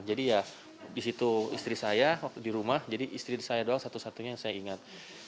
jadi ya di situ istri saya di rumah jadi istri saya doang satu satunya yang saya ingat